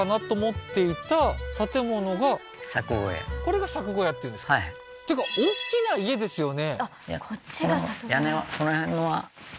これが作小屋っていうんですかっていうか大きな家ですよね？